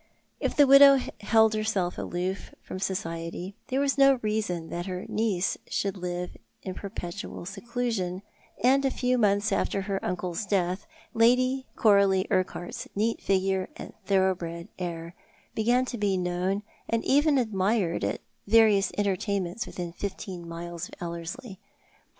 If the widow held herself aloof from society, there was no reason that her niece should live in perpetual seclusion, and a few months after her uncle's death Lady Coralie Urquhart's neat figure and thorough bred air began to be known and even admired at various entertain ments within fifteen miles of Ellerslie.